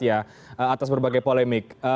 ya atas berbagai polemik